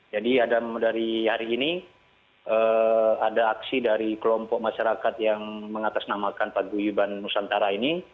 jadi dari hari ini ada aksi dari kelompok masyarakat yang mengatasnamakan pagi uiban nusantara ini